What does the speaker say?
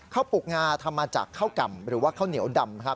ปลูกงาทำมาจากข้าวก่ำหรือว่าข้าวเหนียวดำครับ